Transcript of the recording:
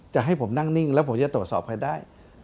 จะให้ผมนั่งนิ่งแล้วผมจะตรวจสอบใครได้